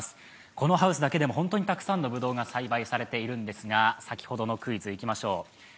このハウスだけでも本当にたくさんのぶどうが栽培されているんですが、先ほどのクイズいきましょう。